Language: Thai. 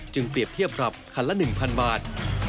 จึงเปรียบมีการเปรียบภพคันละ๑๐๐๐บาท